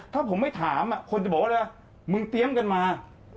ถ้าผมไม่ถามคนจะบอกว่ามึงเตรียมกันมา